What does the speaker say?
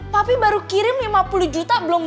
papi baru kirim lima puluh juta